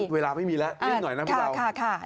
เวลาไม่มีแล้วนิดหน่อยนะพวกเรา